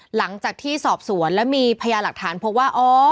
หลังจากที่สอบสวนแล้วมีพยาหลักฐานพบว่า